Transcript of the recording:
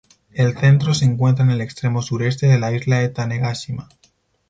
El Centro se encuentra en el extremo sureste de la isla de Tanegashima.